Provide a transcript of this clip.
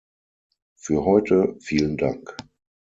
Für heute vielen Dank!